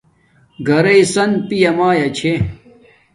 گھرݵݵ سن پیامایے چھے